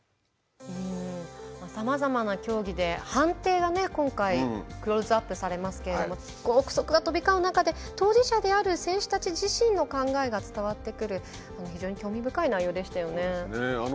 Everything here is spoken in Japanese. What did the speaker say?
さまざまな競技で判定が今回クローズアップされますけれども臆測が飛び交う中で当事者である選手たち自身の考えが伝わってくる非常に興味深い内容でしたね。